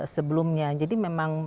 sebelumnya jadi memang